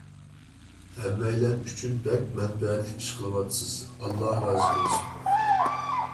ھەممەيلەن ئۈچۈن بەك مەنپەئەتلىك ئىش قىلىۋاتىسىز، ئاللاھ رازى بولسۇن.